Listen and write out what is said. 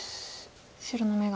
白の眼が。